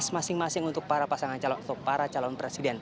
masing masing untuk para pasangan calon atau para calon presiden